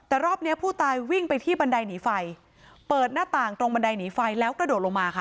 แต่รอบเนี้ยผู้ตายวิ่งไปที่บันไดหนีไฟเปิดหน้าต่างตรงบันไดหนีไฟแล้วกระโดดลงมาค่ะ